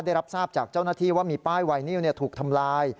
ได้รับทราบจากเจ้าหน้าที่ว่ามีป้ายไวนิวถูกทำลาย